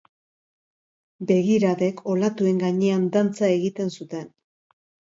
Begiradek olatuen gainean dantza egiten zuten.